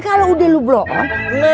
kamu harus berubah